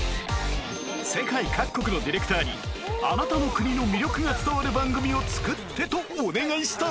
世界各国のディレクターにあなたの国の魅力が伝わる番組を作ってとお願いしたら